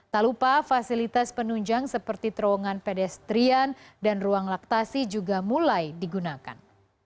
tak lupa fasilitas penunjang seperti terowongan pedestrian dan ruang laktasi juga mulai digunakan